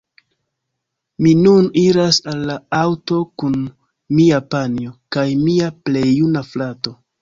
Mi nun iras al la aŭto kun mia panjo kaj mia plej juna frato